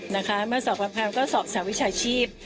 นะคะเมื่อสอบปรากฏรรมก็สอบสถาบัติวิชาชีพ